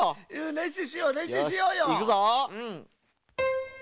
れんしゅうしようれんしゅうしようよ。いくぞ。